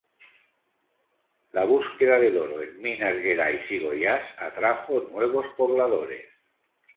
La búsqueda del oro en Minas Gerais y Goiás atrajo nuevos pobladores.